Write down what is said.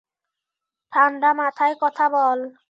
ঠাণ্ডা মাথায় কথা বল।